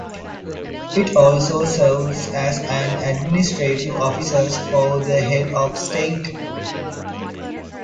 It also serves as an administrative office for the Head of state.